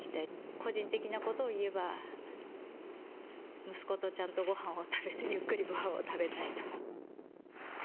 個人的なことを言えば息子とちゃんとごはんを食べてゆっくりとごはんを食べたい。